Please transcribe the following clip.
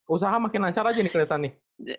usaha makin lancar aja nih kereta nih